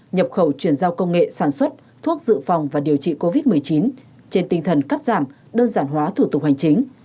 nhập khẩu chuyển giao công nghệ sản xuất thuốc dự phòng và điều trị covid một mươi chín trên tinh thần cắt giảm đơn giản hóa thủ tục hành chính